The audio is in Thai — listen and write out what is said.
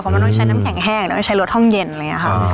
มันต้องใช้น้ำแข็งแห้งแล้วก็ใช้รถห้องเย็นอะไรอย่างนี้ค่ะ